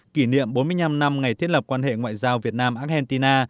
kỷ niệm bốn mươi năm năm ngày thiết lập quan hệ ngoại giao việt nam argentina